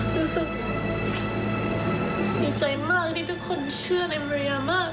รู้สึกดีใจมากที่ทุกคนเชื่อในเรียมาก